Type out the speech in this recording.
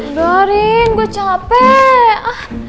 udah rin gue capek